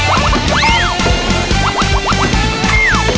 ออกไปจอ